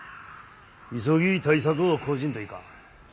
急ぎ対策を講じんといかん。